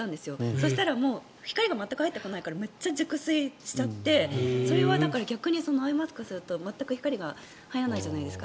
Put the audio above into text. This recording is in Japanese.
そうしたら光が全く入ってこないからめっちゃ熟睡してそれはだから逆にアイマスクをすると全く光が入らないじゃないですか。